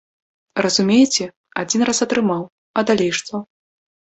Разумееце, адзін раз атрымаў, а далей што?